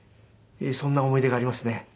そんな思い出がありますね。